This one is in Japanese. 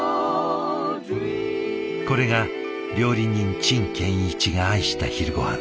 これが料理人陳建一が愛した昼ごはん。